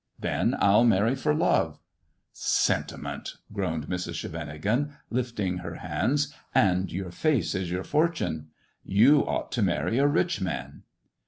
"Then I'll marry for love." " Sentiment !" groaned Mrs. Scheveningen, lifting her hands; "and your face is your fortune. You ought to marry a rich man."